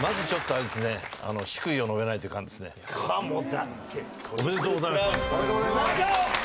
ありがとうございます。